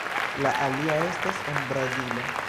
La alia estas en Brazilo.